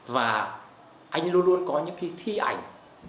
và anh luôn luôn có những khi thi ảnh